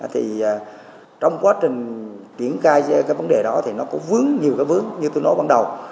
thì trong quá trình triển khai cái vấn đề đó thì nó có vướng nhiều cái vướng như tôi nói ban đầu